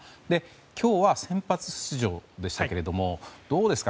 今日は先発出場でしたがどうですか？